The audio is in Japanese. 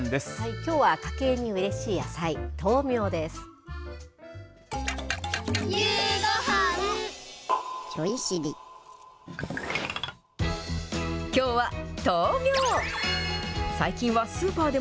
きょうは家計にうれしい野菜、とうみょうです。